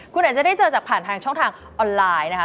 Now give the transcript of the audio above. คุณอาจจะได้เจอจากผ่านทางช่องทางออนไลน์นะคะ